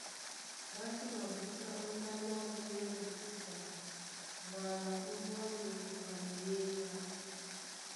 Ɓá sí mabúsá ó ndáɓo ábū nyá mukúsa wala ó mbóá moto ka muyéŋgá.